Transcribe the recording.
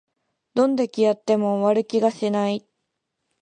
どんだけやっても終わる気がしない